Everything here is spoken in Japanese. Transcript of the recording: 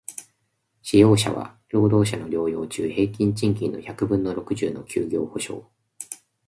使用者は、労働者の療養中平均賃金の百分の六十の休業補償